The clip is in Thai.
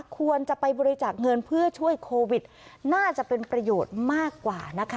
ควรจะไปบริจาคเงินเพื่อช่วยโควิดน่าจะเป็นประโยชน์มากกว่านะคะ